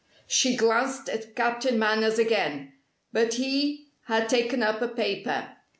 She glanced at Captain Manners again, but he had taken up a paper.